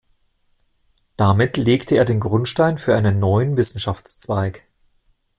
Damit legte er den Grundstein für einen neuen Wissenschaftszweig.